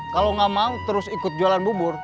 kalau nggak mau terus ikut jualan bubur